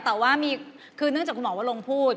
แต่ว่ามีคือเนื่องจากคุณหมอวะลงพูด